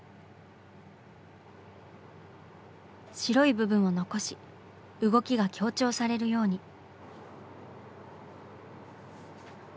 白い部分を残し動きが強調されるように。